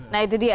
nah itu dia